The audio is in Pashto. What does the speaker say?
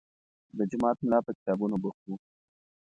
د جومات ملا په کتابونو بوخت و.